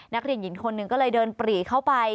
นักเรียนหญิงคนหนึ่งก็เลยเดินปรีเข้าไป